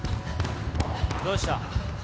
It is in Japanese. どうした？